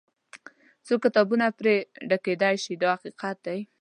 څو کتابونه پرې ډکېدای شي دا حقیقت دی.